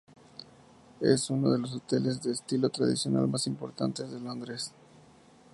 Es uno de los hoteles de estilo tradicional más importantes de Londres.